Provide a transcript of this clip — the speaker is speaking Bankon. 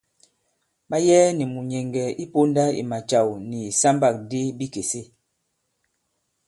Ɓa yɛɛ nì mùnyɛ̀ŋgɛ̀ inyū ponda i macàw nì ìsambâkdi bikèse.